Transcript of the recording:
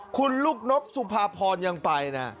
คุณลูกนกสุภาพรยังไปนะ